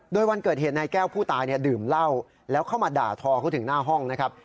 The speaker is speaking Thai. โดยวันเกิดเหตุนายแก้วผู้ตายดื่มเหล้าแล้วเข้ามาด่าทอเขาถึงหน้าห้องนะครับ